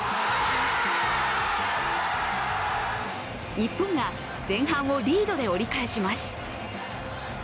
日本が前半をリードで折り返します。